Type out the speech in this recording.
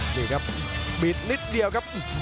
นี่ครับบิดนิดเดียวครับ